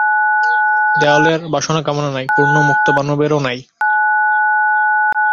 দেওয়ালের বাসনা-কামনা নাই, পূর্ণ মুক্তমানবেরও নাই।